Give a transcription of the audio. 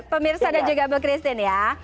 pemirsa dan juga bu christine ya